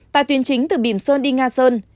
tại tuyến chính từ bìm sơn đi nga sơn